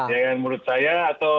ya kan menurut saya